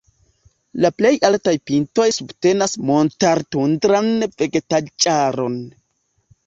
La plej altaj pintoj subtenas montar-tundran vegetaĵaron.